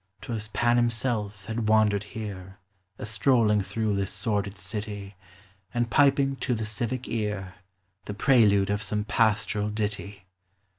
'T was Pan himself had wandered here A strolling through this sordid city, And piping to the civic ear The prelude of some pastoral ditty